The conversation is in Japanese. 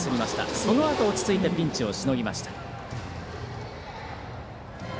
そのあと、落ち着いてピンチをしのぎました。